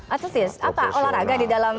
aktivis apa olahraga di dalam